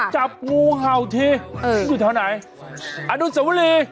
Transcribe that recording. จับงูเห่าทีอยู่แถวไหนอนุสวรี